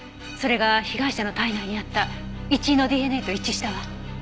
それが被害者の体内にあったイチイのＤＮＡと一致したわ。